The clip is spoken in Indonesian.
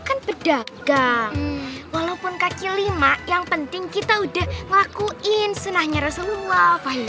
kan pedagang walaupun kaki lima yang penting kita udah ngelakuin senahnya rasulullah fahim